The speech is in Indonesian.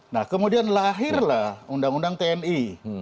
nah kemudian lahirlah undang undang tni